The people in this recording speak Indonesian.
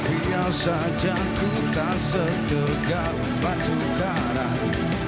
biar saja ku tak setegak batu kanan